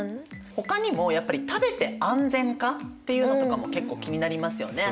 ほかにもやっぱり食べて安全かっていうのとかも結構気になりますよね。